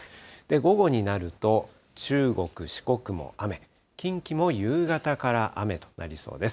午後になると、中国、四国も雨、近畿も夕方から雨となりそうです。